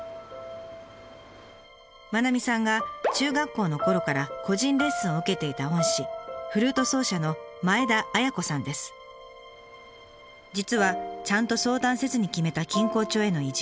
愛さんが中学校のころから個人レッスンを受けていた恩師フルート奏者の実はちゃんと相談せずに決めた錦江町への移住。